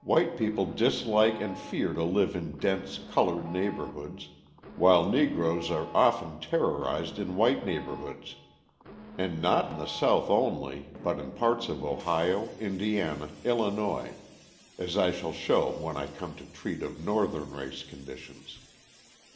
White people dislike and fear to live in dense coloured neighbourhoods, while Negroes are often terrorised in white neighbourhoods and not in the South only but in parts of Ohio, Indiana, Illinois, as I shall show when I come to treat of Northern race conditions.